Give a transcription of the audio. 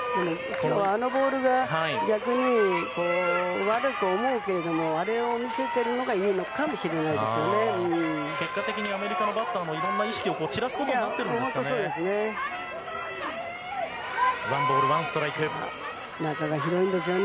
きょうはあのボールが、逆に悪く思うけれども、あれを見せてるのがいいのかもしれないで結果的に、アメリカのバッターも、いろんな意識を散らすことになってるんで本当、そうですよね。